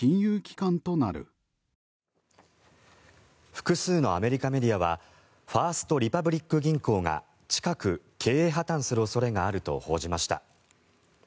複数のアメリカメディアはファースト・リパブリック銀行が近く経営破たんする恐れがあると報じました。